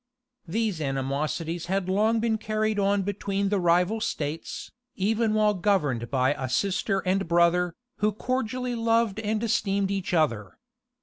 These animosities had long been carried on between the rival states, even while governed by a sister and brother, who cordially loved and esteemed each other.